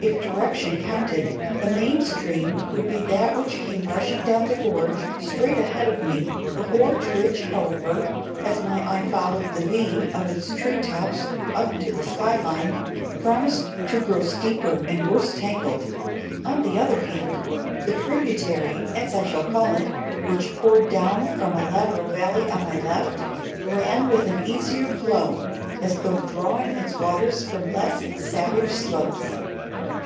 If direction counted, the main stream would be that which came rushing down the gorge straight ahead of me a gorge which, however, as my eye followed the V of its tree tops up to the sky line, promised to grow steeper and worse tangled. On the other hand, the tributary (as I shall call it), which poured down from a lateral valley on my left, ran with an easier flow, as though drawing its waters from less savage slopes.